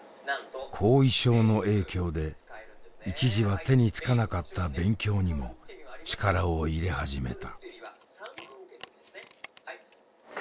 後遺症の影響で一時は手につかなかった勉強にも力を入れ始めた。